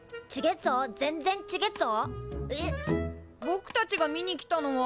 ぼくたちが見に来たのは。